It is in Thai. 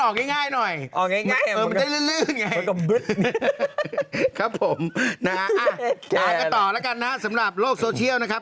คุณแม่คุณคุณผม